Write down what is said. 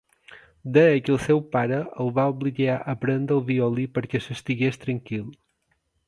Deia que el seu pare el va obligar a aprendre el violí perquè s'estigués tranquil.